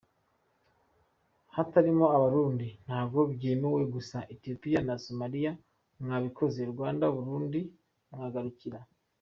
Hatarimo abarundi ntago mbyemeye gusa Ethiopie na Somalia mwabikoze Rda Burundi bagakurikira.